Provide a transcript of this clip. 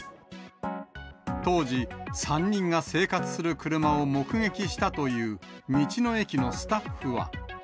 当時、３人が生活する車を目撃したという道の駅のスタッフは。